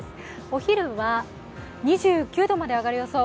お昼は２９度まで上がる予想。